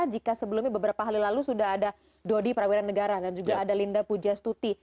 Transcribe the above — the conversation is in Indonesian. jika sebelumnya beberapa hari lalu sudah ada dodi prawiran negara dan juga ada linda pujastuti